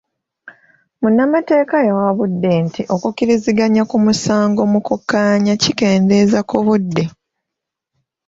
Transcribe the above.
Munnamateeka yawabudde nti okukiriziganya ku musango mu kukkaanya kikendeeza ku budde.